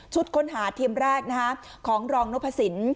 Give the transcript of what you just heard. ชุดค้นหาทีมแรกนะคะของรองนพสิน